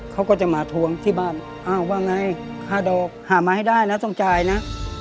เขาก็จะมาทวงที่บ้านอ้าวว่าไงค่าดอกหามาให้ได้นะต้องจ่ายนะ